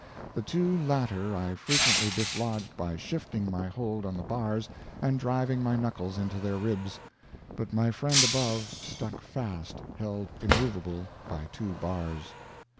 The two latter I frequently dislodged by shifting my hold on the bars and driving my knuckles into their ribs; but my friend above stuck fast, held immovable by two bars.